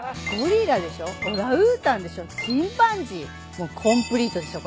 もうコンプリートですよ